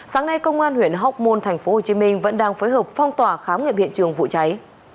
sáng nay công an huyện hóc môn tp hcm vẫn đang phối hợp phong tỏa khám nghiệm hiện trường vụ cháy